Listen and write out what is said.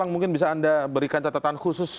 mungkin bisa anda berikan catatan khusus